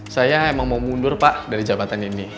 saya emang mau mundur pak dari jabatan ini